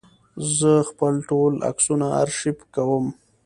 زه خپل ټول عکسونه آرشیف کوم.